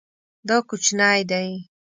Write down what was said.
دا کوچنی دی